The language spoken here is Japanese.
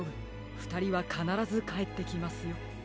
ふたりはかならずかえってきますよ。